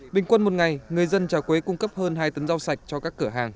bình quân một ngày người dân trà quế cung cấp hơn hai tấn rau sạch cho các cửa hàng